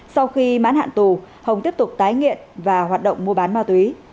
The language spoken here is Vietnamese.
sau khi mãn hạn tù hồng tiếp tục tái nghiện và hoạt động mua bán ma túy